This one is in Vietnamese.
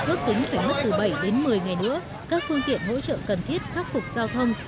ước tính phải mất từ bảy đến một mươi ngày nữa các phương tiện hỗ trợ cần thiết khắc phục giao thông